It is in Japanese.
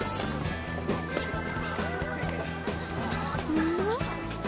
うん？